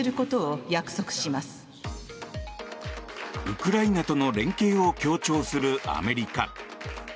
ウクライナとの連携を強調するアメリカ。